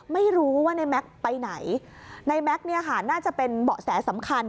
ไม่รู้ว่าในแม็กซ์ไปไหนในแม็กซ์เนี่ยค่ะน่าจะเป็นเบาะแสสำคัญ